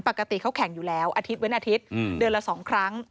ปกติเขาแข่งอยู่แล้วอาทิตย์เว้นอาทิตย์เดือนละ๒ครั้ง